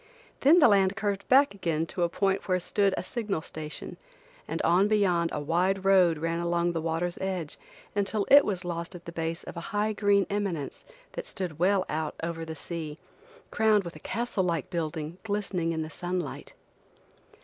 Then the land curved back again to a point where stood a signal station, and on beyond a wide road ran along the water's edge until it was lost at the base of a high green eminence that stood well out over the sea, crowned with a castle like building glistening in the sunlight.